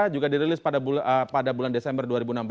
juga dirilis pada bulan desember dua ribu enam belas